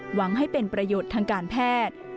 หวังให้เป็นประโยชน์ทางการแพทย์